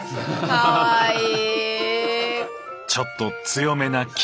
かわいい。